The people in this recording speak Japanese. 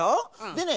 でね